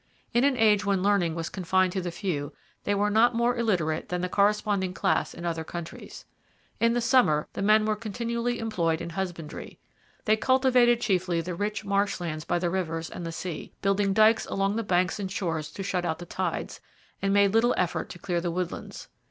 In an age when learning was confined to the few, they were not more illiterate than the corresponding class in other countries. 'In the summer the men were continually employed in husbandry.' They cultivated chiefly the rich marsh lands by the rivers and the sea, building dikes along the banks and shores to shut out the tides; and made little effort to clear the woodlands.